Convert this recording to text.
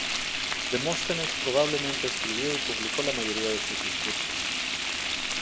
Demóstenes probablemente escribió y publicó la mayoría de sus discursos.